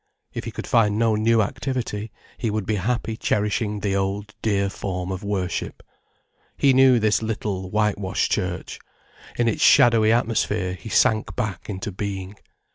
If he could find no new activity, he would be happy cherishing the old, dear form of worship. He knew this little, whitewashed church. In its shadowy atmosphere he sank back into being.